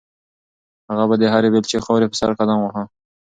هغه به د هرې بیلچې خاورې په سر قدم واهه.